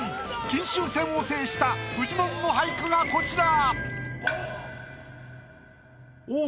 金秋戦を制したフジモンの俳句がこちら。